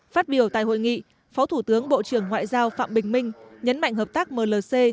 phát biểu tại hội nghị phó thủ tướng bộ trưởng ngoại giao phạm bình minh nhấn mạnh hợp tác mlc